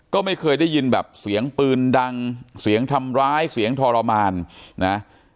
ก็ไม่เคยได้ยินแบบเสียงปืนดังเสียงทำร้ายเสียงทรมานนะ